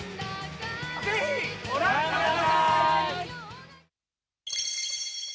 ぜひご覧くださーい！